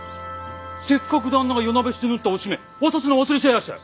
せっかく旦那が夜なべして縫ったおしめ渡すの忘れちゃいやしたよ！